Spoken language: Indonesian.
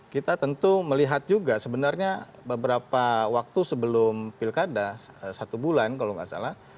kita tentu melihat juga sebenarnya beberapa waktu sebelum pilkada satu bulan kalau nggak salah